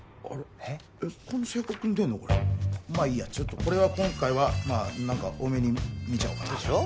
まあいいやこれは今回はまあ何か大目に見ちゃおうかなでしょう？